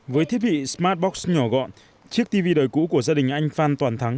với thiết bị smart box nhỏ gọn chiếc tv đời cũ của gia đình anh phan toàn thắng